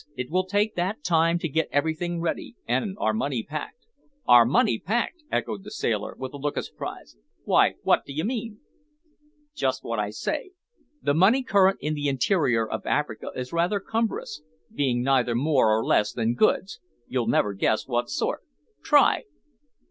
It will take that time to get everything ready, and our money packed." "Our money packed!" echoed the sailor, with a look of surprise, "w'y, wot d'ye mean!" "Just what I say. The money current in the interior of Africa is rather cumbrous, being neither more nor less than goods. You'll never guess what sort try."